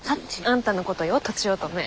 あんたのことよとちおとめ。